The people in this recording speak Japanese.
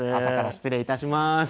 朝から失礼いたします。